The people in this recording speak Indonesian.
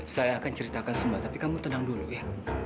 saya akan ceritakan semua tapi kamu tenang dulu ya